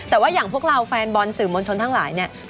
แต่ว่าอย่างพวกเราแฟนบอลสื่อมวลชนทั้งหลายเนี่ย